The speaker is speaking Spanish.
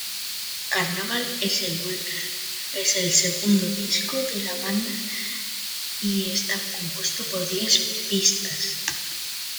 Carnaval es el segundo disco de la banda y está compuesto de diez pistas.